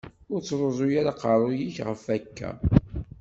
Ur ttruẓ ara aqerru-k ɣef akka!